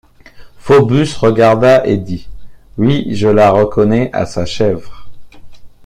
Phœbus regarda, et dit: — Oui, je la reconnais à sa chèvre.